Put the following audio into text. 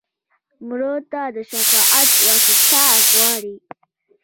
مړه ته د شفاعت واسطه غواړو